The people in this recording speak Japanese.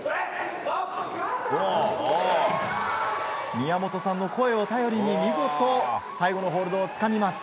宮本さんの声を頼りに見事、最後のホールドをつかみます。